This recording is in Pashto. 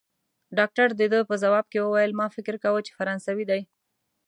ډاکټر د ده په ځواب کې وویل: ما فکر کاوه، چي فرانسوی دی.